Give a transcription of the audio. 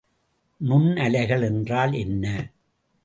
நுண்ணலைகள் என்றால் என்ன?